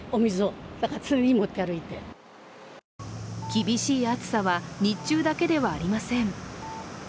厳しい暑さは日中だけではありません。